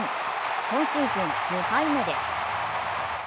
今シーズン２敗目です。